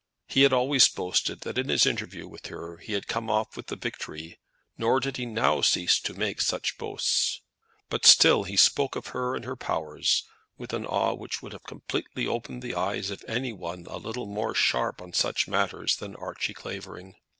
He had always boasted that in his interview with her he had come off with the victory, nor did he now cease to make such boasts; but still he spoke of her and her powers with an awe which would have completely opened the eyes of any one a little more sharp on such matters than Archie Clavering.